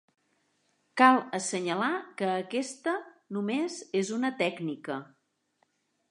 Cal assenyalar que aquesta només és una tècnica.